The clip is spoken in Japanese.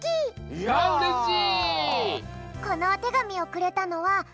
いやうれしい！